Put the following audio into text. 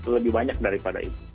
lebih banyak daripada itu